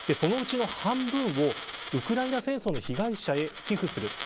そのうちの半分をウクライナ戦争の被害者へ寄付する。